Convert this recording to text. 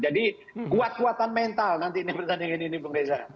jadi kuat kuatan mental nanti pertandingan ini bung reza